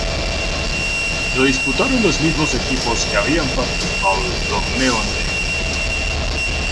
Lo disputaron los mismos equipos que habían participado del torneo anterior.